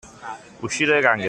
Uscire dai gangheri.